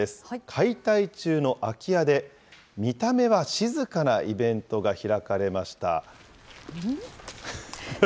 解体中の空き家で、見た目は静かなイベントが開かれました。